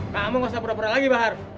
kamu gak usah berperang lagi pak han